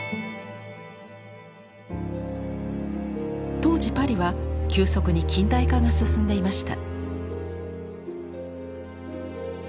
当時パリは急速に近代化が進んでいました。